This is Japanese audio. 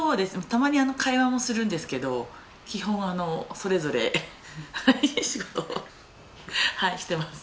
たまに会話もするんですけど基本はそれぞれ仕事をしています。